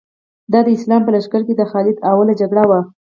دا د اسلام په لښکر کې د خالد لومړۍ جګړه وه.